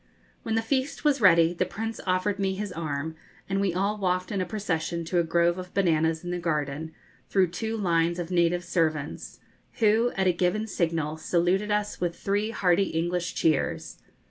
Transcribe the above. When the feast was ready the Prince offered me his arm, and we all walked in a procession to a grove of bananas in the garden through two lines of native servants, who, at a given signal, saluted us with three hearty English cheers.